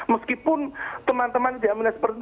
meskipun teman teman dia melihat seperti itu